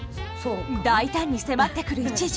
大胆に迫ってくる一条。